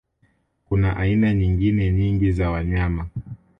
Kuna aina nyingine nyingi za wanyama